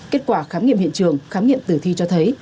kết quả khám nghiệm hiện trường khám nghiệm tử thi cho thấy